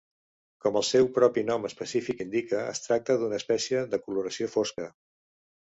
Com el seu propi nom específic indica, es tracta d'una espècie de coloració fosca.